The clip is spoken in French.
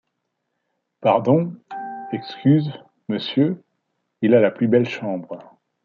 Pardon, excuse, monsieur, il a la plus belle chambre.